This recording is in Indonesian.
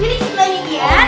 ini sifatnya dian